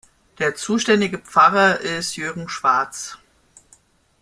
Der zuständige Pfarrer ist Jürgen Schwartz.